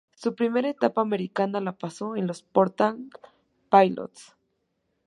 Su primera etapa americana la pasó en los Portland Pilots.